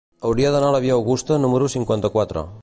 Hauria d'anar a la via Augusta número cinquanta-quatre.